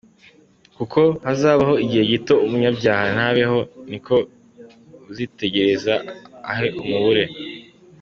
Kuko hazabaho igihe gito, umunyabyaha ntabeho, Ni koko uzitegereza ahe umubure.